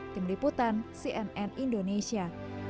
tim liputan cnn indonesia